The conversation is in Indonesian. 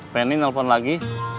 pengen nih nelfon lagi